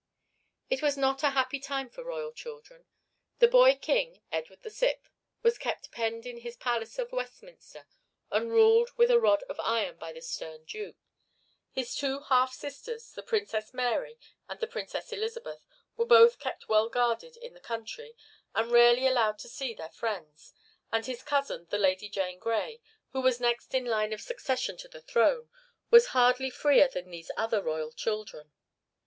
It was not a happy time for royal children. The boy king, Edward VI, was kept penned in his palace of Westminster and ruled with a rod of iron by the stern Duke; his two half sisters, the Princess Mary and the Princess Elizabeth, were both kept well guarded in the country and rarely allowed to see their friends; and his cousin, the Lady Jane Grey, who was next in line of succession to the throne, was hardly freer than these other royal children.